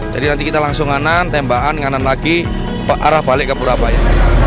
jadi nanti kita langsung nganan tembahan nganan lagi arah balik ke purabaya